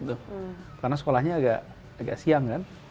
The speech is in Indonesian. karena sekolahnya agak siang kan